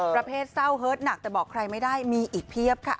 ประเภทเศร้าเฮิร์ตหนักแต่บอกใครไม่ได้มีอีกเพียบค่ะ